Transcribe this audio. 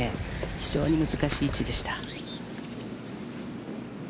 非常に難しい位置でした。